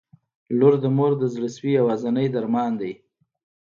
• لور د مور د زړسوي یوازینی درمان دی.